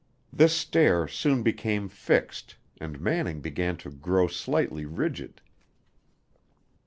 This stare soon became fixed and Manning began to grow slightly rigid.